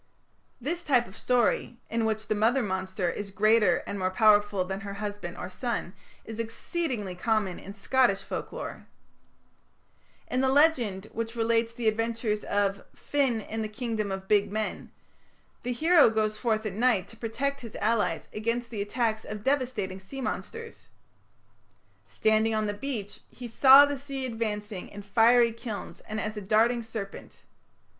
This type of story, in which the mother monster is greater and more powerful than her husband or son, is exceedingly common in Scottish folklore. In the legend which relates the adventures of "Finn in the Kingdom of Big Men", the hero goes forth at night to protect his allies against the attacks of devastating sea monsters. Standing on the beach, "he saw the sea advancing in fiery kilns and as a darting serpent....